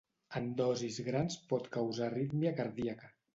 En dosis grans pot causar arrítmia cardíaca.